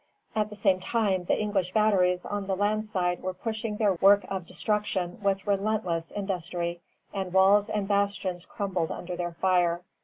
At the same time the English batteries on the land side were pushing their work of destruction with relentless industry, and walls and bastions crumbled under their fire.